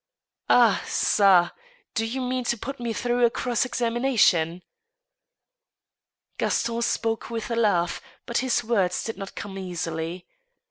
Ah/ (a, do you mean to put me through a cross examina tion?" Gaston spoke with a laugh, but his words did not come easily.